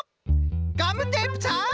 ガムテープさん。